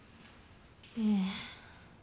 ええ。